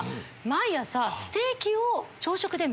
毎朝。